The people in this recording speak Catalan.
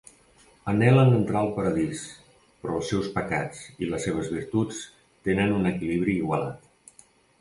Anhelen entrar al paradís, però els seus pecats i les seves virtuts tenen un equilibri igualat.